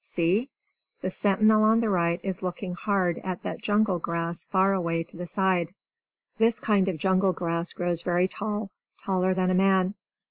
See! The sentinel on the right is looking hard at that jungle grass far away to the side. This kind of jungle grass grows very tall, taller than a man.